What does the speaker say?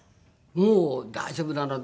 もう「大丈夫なの？